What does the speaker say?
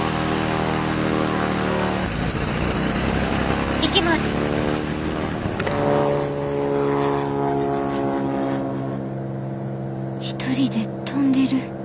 心の声一人で飛んでる。